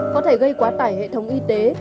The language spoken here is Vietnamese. có thể gây quá tải hệ thống y tế